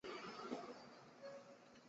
该种分布于台湾等地。